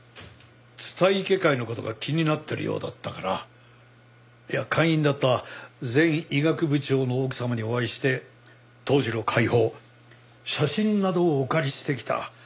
蔦池会の事が気になってるようだったから会員だった前医学部長の奥様にお会いして当時の会報写真などをお借りしてきた。